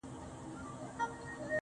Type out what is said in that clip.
o په شاعرۍ کي رياضت غواړمه.